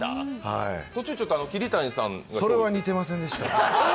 途中、桐谷さんがそれは似てませんでした。